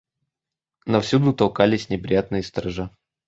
Но всюду толкались неприятные сторожа.